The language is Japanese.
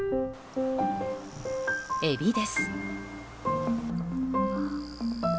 エビです。